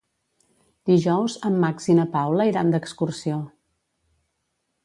Dijous en Max i na Paula iran d'excursió.